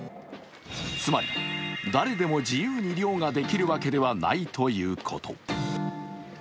つまり誰でも自由に漁ができるわけではないということ。